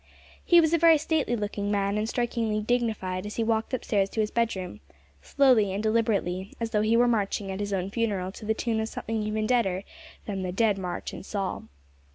He was a very stately looking man, and strikingly dignified as he walked upstairs to his bedroom slowly and deliberately, as though he were marching at his own funeral to the tune of something even deader than the "Dead March in Saul."